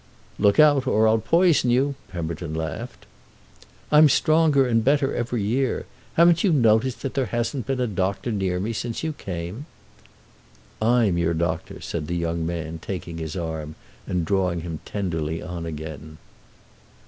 "Look out or I'll poison you!" Pemberton laughed. "I'm stronger and better every year. Haven't you noticed that there hasn't been a doctor near me since you came?" "I'm your doctor," said the young man, taking his arm and drawing him tenderly on again.